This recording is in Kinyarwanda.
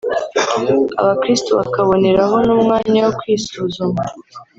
abakristo bakaboneraho n’umwanya wo kwisuzuma